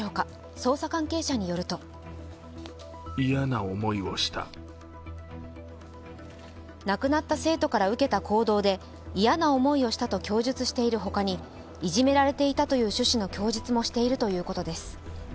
捜査関係者によると亡くなった生徒から受けた行動で嫌な思いをしたと供述しているほかにいじめられていたという趣旨の供述もしているということです。